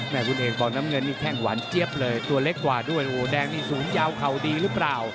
คุณเอกบอกน้ำเงินนี่แข้งหวานเจี๊ยบเลยตัวเล็กกว่าด้วยโอ้โหแดงนี่สูงยาวเข่าดีหรือเปล่า